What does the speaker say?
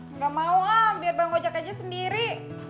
nggak mau am biar bang gojak aja sendiri